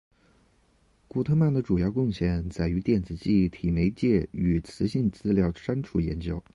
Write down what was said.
古特曼的主要贡献在于电子记忆体媒介与磁性资料删除研究。